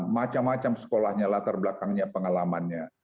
macam macam sekolahnya latar belakangnya pengalamannya